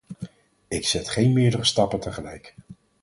Ik zet geen meerdere stappen tegelijk.